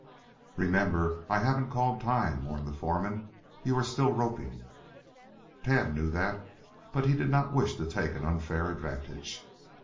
"Remember, I haven't called time," warned the foreman. "You are still roping." Tad knew that, but he did not wish to take an unfair advantage.